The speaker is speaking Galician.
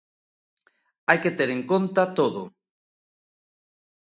Hai que ter en conta todo.